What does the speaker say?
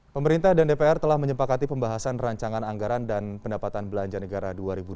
pemerintah dan dpr telah menyepakati pembahasan rancangan anggaran dan pendapatan belanja negara dua ribu dua puluh